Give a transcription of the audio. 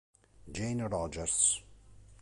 Jane Rogers